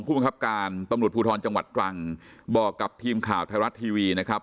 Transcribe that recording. ผู้บังคับการตำรวจภูทรจังหวัดตรังบอกกับทีมข่าวไทยรัฐทีวีนะครับ